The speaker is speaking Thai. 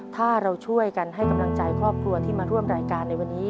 ถ้าเราช่วยกันให้กำลังใจครอบครัวที่มาร่วมรายการในวันนี้